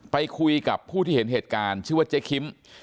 ไปคุยกับผู้ที่เห็นเหตุการณ์ชื่อว่าเจ๊คิม